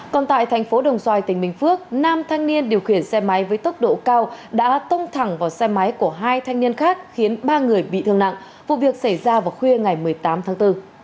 còn tại thành phố đồng xoài tỉnh bình phước nam thanh niên điều khiển xe máy với tốc độ cao đã tông thẳng vào xe máy của hai thanh niên khác khiến ba người bị thương nặng vụ việc xảy ra vào khuya ngày một mươi tám tháng bốn